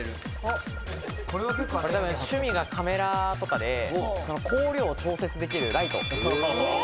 趣味がカメラとかで光量を調節できるライト。